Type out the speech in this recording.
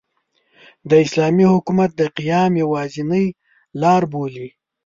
د اسلامي حکومت د قیام یوازینۍ لاربولي.